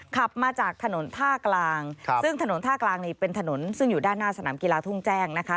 ขับมาจากถนนท่ากลางซึ่งถนนท่ากลางนี่เป็นถนนซึ่งอยู่ด้านหน้าสนามกีฬาทุ่งแจ้งนะคะ